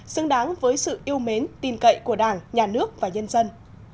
xứng đáng với sự yêu mến tin cậy của đảng nhà nước và nhân dân